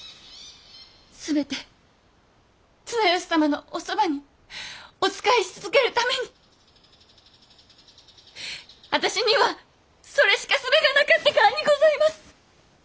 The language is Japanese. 全て綱吉様のおそばにお仕えし続けるために私にはそれしか術がなかったからにございます！